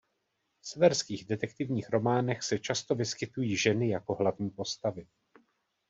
V severských detektivních románech se často vyskytují ženy jako hlavní postavy.